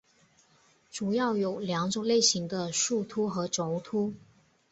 主要有两种类型的树突和轴突。